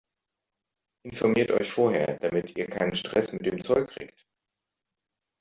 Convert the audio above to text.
Informiert euch vorher, damit ihr keinen Stress mit dem Zoll kriegt!